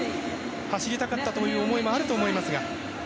走りたかったという思いもあると思いますが。